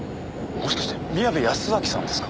もしかして宮部保昭さんですか？